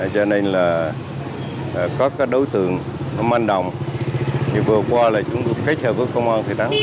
cho nên là có các đối tượng man đồng vừa qua chúng tôi kết hợp với công an thị trấn